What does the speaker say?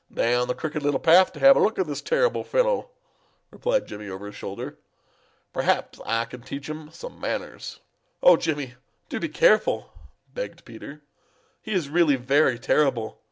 "Down the Crooked Little Path to have a look at this terrible fellow," replied Jimmy over his shoulder. "Perhaps I can teach him some manners." "Oh, Jimmy, do be careful!" begged Peter. "He really is very terrible.